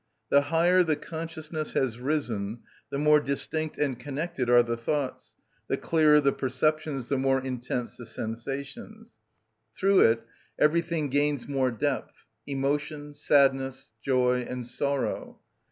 The higher the consciousness has risen, the more distinct and connected are the thoughts, the clearer the perceptions the more intense the sensations. Through it everything gains more depth: emotion, sadness, joy, and sorrow.